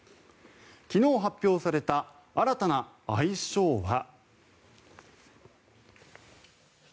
昨日発表された新たな愛称は。